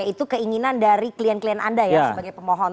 itu keinginan dari klien klien anda ya sebagai pemohon